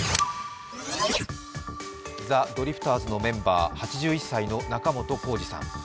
ザ・ドリフターズのメンバー８１歳の仲本工事さん。